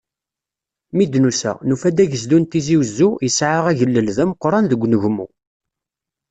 Mi d-nusa, nufa-d agezdu n Tizi Uzzu, yesɛa agellel d ameqqran deg unegmu.